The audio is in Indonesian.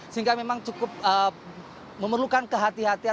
sehingga memang cukup memerlukan kehati hatian